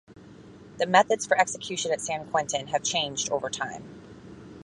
The methods for execution at San Quentin have changed over time.